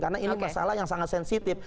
karena ini masalah yang sangat sensitif